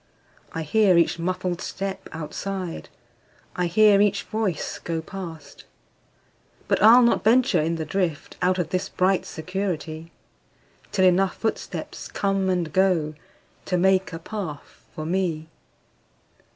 I hear each muffled step outside,I hear each voice go past. But I'll not venture in the driftOut of this bright security, Till enough footsteps come and goTo make a path for me.